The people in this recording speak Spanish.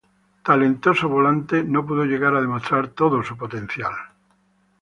Talentoso volante, no pudo llegar a demostrar todo su potencial.